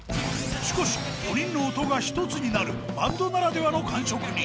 しかし、４人の音が一つになる、バンドならではの感触に。